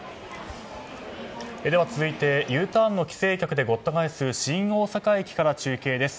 続いて、Ｕターンの帰省客でごった返す新大阪駅から中継です。